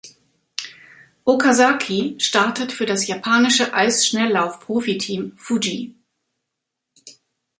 Okazaki startet für das japanische Eisschnelllauf-Profiteam Fuji.